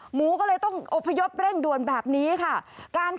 หมูก็เลยต้องอบพยพเร่งด่วนแบบนี้ค่ะ